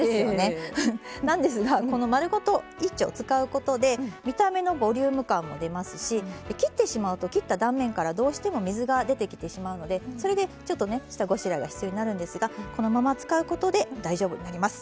なんですがこの丸ごと１丁使うことで見た目のボリューム感も出ますし切ってしまうと切った断面からどうしても水が出てきてしまうのでそれでちょっとね下ごしらえが必要になるんですがこのまま使うことで大丈夫になります。